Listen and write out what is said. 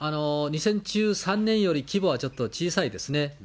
２０１３年より規模はちょっと小さいですね。